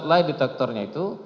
lay detektornya itu